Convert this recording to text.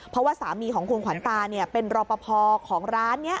เพราะว่าสามีของคุณขวัญตาเป็นรอปภของร้านนี้